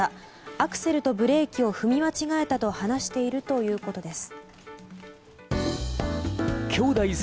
アクセルとブレーキを踏み間違えたと話しているということです。